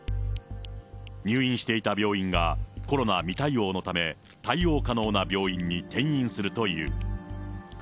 入院していた病院がコロナ未対応のため、対応可能な病院に転院するという。